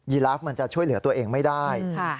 ีลาฟมันจะช่วยเหลือตัวเองไม่ได้